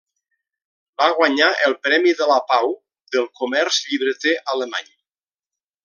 Va guanyar el Premi de la Pau del Comerç Llibreter Alemany.